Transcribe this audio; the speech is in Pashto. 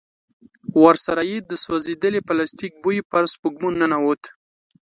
ورسره يې د سوځېدلي پلاستيک بوی پر سپږمو ننوت.